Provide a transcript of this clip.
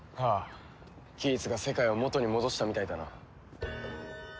ギーツが世界を元に戻したみたいだな。